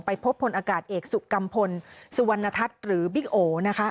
พบพลอากาศเอกสุกัมพลสุวรรณทัศน์หรือบิ๊กโอนะคะ